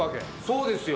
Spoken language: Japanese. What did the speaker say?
そうですよ。